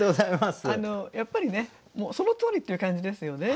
やっぱりねそのとおりという感じですよね。